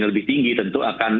lebih tinggi tentu akan